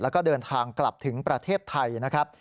แล้วก็เดินทางกลับถึงประเทศไทยนะครับ